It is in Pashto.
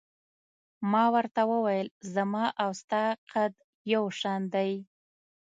ما ورته وویل: زما او ستا قد یو شان دی.